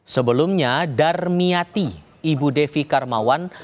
sebelumnya darmiati ibu devi karmawan